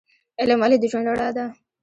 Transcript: علم ولې د ژوند رڼا ده؟